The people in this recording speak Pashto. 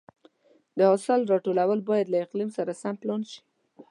د حاصل راټولول باید له اقلیم سره سم پلان شي.